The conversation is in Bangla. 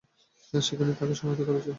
সেখানেই তাকে সমাহিত করা হয়েছে।